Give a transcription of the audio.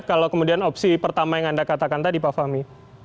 kalau kemudian opsi pertama yang anda katakan tadi pak fahmi